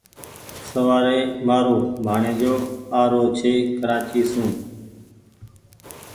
شوآر مآرو ڀآڻيجو آ رو ڇي ڪرآچي سون